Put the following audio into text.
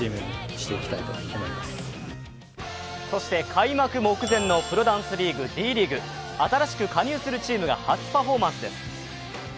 開幕目前のプロダンスリーグ、Ｄ．ＬＥＡＧＵＥ、新しく加入するチームが初パフォーマンスです。